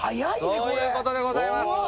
これそういうことでございます